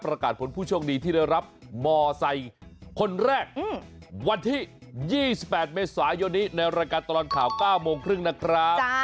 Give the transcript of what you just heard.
ประกาศผลผู้โชคดีที่ได้รับมอไซค์คนแรกวันที่๒๘เมษายนนี้ในรายการตลอดข่าว๙โมงครึ่งนะครับ